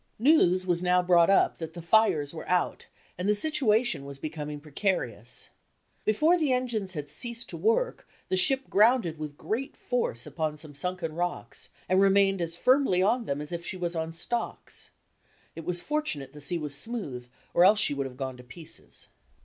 News was now brought up that the fires were out, and the situation was becoming precarious. Before the engines had ceased to work the ship grounded with great force upon some sunken rocks, and remained as firmly on SKETCHES OF TRAVEL them as if she was on stocks. It was fortu nate the sea was smooth or else she would have gone to pieces.